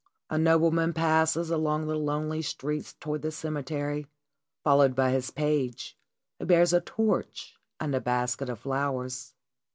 A nobleman passes along the lonely streets toward the cemetery, followed by his page, who bears a torch and a basket of flowers.